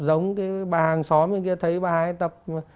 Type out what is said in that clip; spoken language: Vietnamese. giống cái bà hàng xóm bên kia thấy bà ấy tập